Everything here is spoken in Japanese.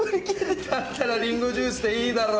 だったらリンゴジュースでいいだろ！